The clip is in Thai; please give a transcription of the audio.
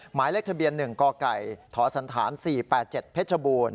หมายเลขทะเบียน๑กไก่ทสศ๔๘๗พบ